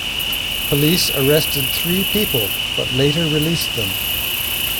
Police arrested three people, but later released them.